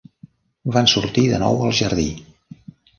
Van sortir de nou al jardí.